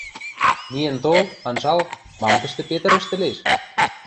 Миэн тол, анжал, мам тӹштӹ Петр ӹштӹлеш?